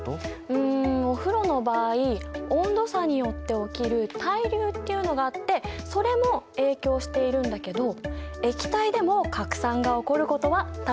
うんお風呂の場合温度差によって起きる対流っていうのがあってそれも影響しているんだけど液体でも拡散が起こることは確か！